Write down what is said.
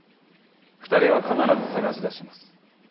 ２人は必ず捜し出します。